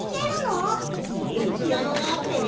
いえにピアノがあってね